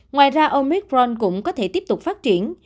ngoài ra omicron cũng có thể tiếp tục phát triển